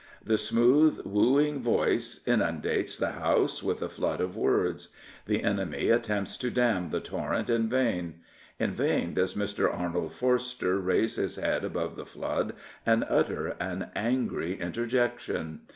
The smooth, wooing voice inun dates the House with a flood of words. The enemy attempts to dam the torrent in vain. In vain does Mr. Arnold Forster raise his head above the flood and utter an angry interjection.